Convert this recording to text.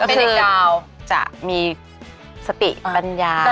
ก็คือจะมีสติปัญญา